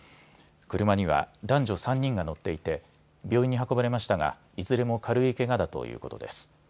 車には男女３人が乗っていて病院に運ばれましたが、いずれも軽いけがだということです。